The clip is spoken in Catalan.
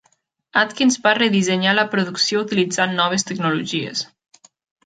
Atkins va redissenyar la producció utilitzant noves tecnologies.